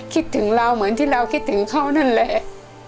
คิดถึงเราเหมือนที่เราคิดถึงเขานั่นแหละ